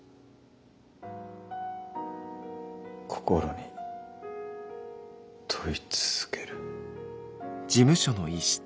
心に問い続ける。